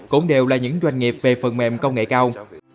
cũng đều là những doanh nghiệp về phần mềm công nghệ cao